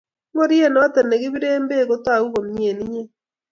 Ngoryet noto negibire beek kotagu komnyei eng inyee